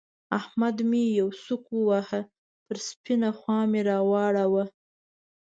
احمد مې يوه سوک وواهه؛ پر سپينه خوا مې را واړاوو.